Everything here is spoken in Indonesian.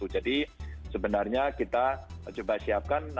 jadi sebenarnya kita coba siapkan